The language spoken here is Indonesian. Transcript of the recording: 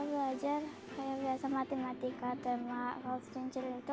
kalau di sekolah belajar kayak biasa matematika tema kursus kincir itu